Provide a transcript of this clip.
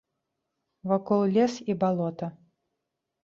Вакол лес і балота.